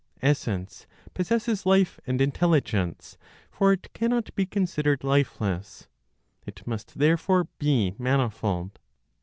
Essence possesses life and intelligence, for it cannot be considered lifeless; it must therefore be manifold.